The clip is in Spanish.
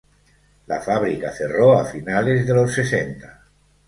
La fábrica cerró a a finales de los sesenta.